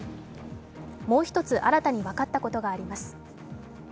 もう一つ、新たに分かったことがあります。